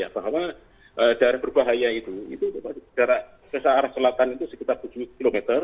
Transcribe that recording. bahwa dari berbahaya itu jarak kesearah selatan itu sekitar tujuh kilometer